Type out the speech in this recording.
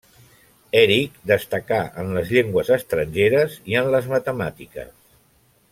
Eric destacà en les llengües estrangeres i en les matemàtiques.